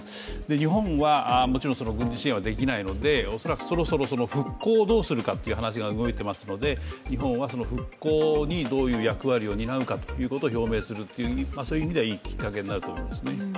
日本は、もちろん軍事支援はできないので、恐らく、そろそろ復興をどうするかという話が動いていますので日本はその復興にどういう役割を担うかを表明するという意味ではいいきっかけになると思います。